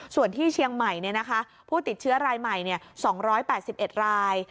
ส่วนที่เชียงใหม่ผู้ติดเชื้อรายใหม่๒๘๑ราย